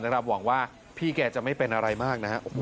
แล้วเราหวังว่าพี่แกจะไม่เป็นอะไรมากนะครับ